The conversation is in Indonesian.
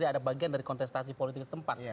ada bagian dari kontestasi politik setempat